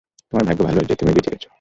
তোমার ভাগ্য ভালো ছিল তুমি বেঁচে গেছ।